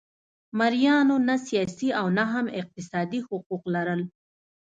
مریانو نه سیاسي او نه هم اقتصادي حقوق لرل.